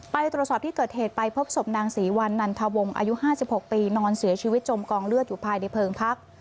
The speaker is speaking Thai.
ไปตรวจสอบที่เกิดเหตุไปพบศพนางศรีวันนันทวงอายุ๕๖ปีนอนเสียชีวิตจมกองเลือดอยู่ภายในเพลิงพัก